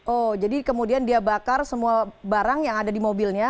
oh jadi kemudian dia bakar semua barang yang ada di mobilnya